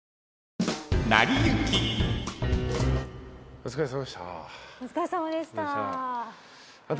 お疲れさまでした。